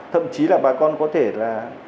thậm chí là bà con có thể là